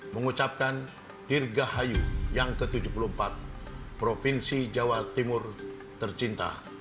mengucapkan dirgahayu yang ke tujuh puluh empat provinsi jawa timur tercinta